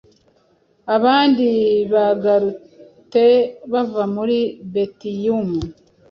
Abandi bagarute bava muri Batiimu,